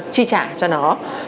chi trả cho nó